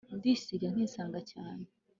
ndisiga nkisanga cyane